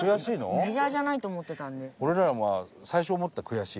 メジャーじゃないと思ってたんで。